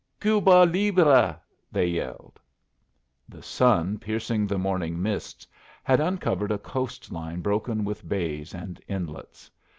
"Cuba libre!" they yelled. The sun piercing the morning mists had uncovered a coast line broken with bays and inlets.